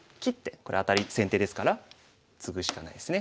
これアタリ先手ですからツグしかないですね。